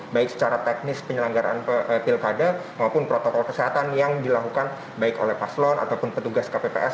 baik secara teknis penyelenggaraan pilkada maupun protokol kesehatan yang dilakukan baik oleh paslon ataupun petugas kpps